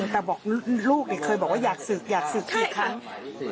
แต่บอกลูกเคยบอกว่าอยากศึกอยากศึกกี่ครั้ง